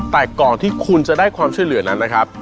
แต่ก่อนที่คุณจะได้ความช่วยเหลือนั้นนะครับ